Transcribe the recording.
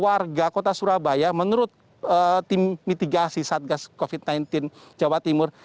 warga kota surabaya menurut tim mitigasi satgas covid sembilan belas jawa timur